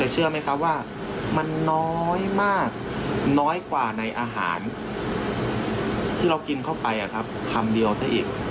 เชื่อไหมครับว่ามันน้อยมากน้อยกว่าในอาหารที่เรากินเข้าไปคำเดียวซะอีก